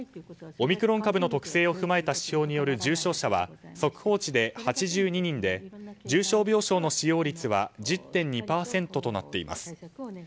オミクロン株の特性を踏まえた指標による重症者は速報値で８２人で重症病床の使用率は１０．２％となっています。